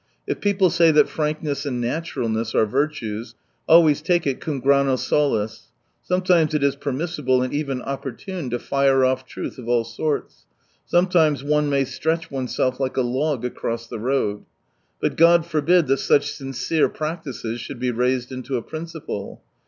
If people say that frankness and naturalness are virtues, always take it cum grano salts. Sometimes it is per missible and even opportune to fire off truth of all sorts. Sometimes one may stretch oneself like a log across the road. But God forbid that such sincere practices should be raised into a principle.